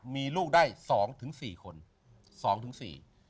มีลูกได้สองถึงสี่คนสองถึงสี่